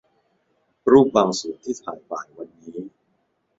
รูปบางส่วนที่ถ่ายบ่ายวันนี้